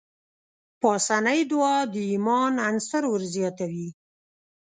پاسنۍ دعا د ايمان عنصر ورزياتوي.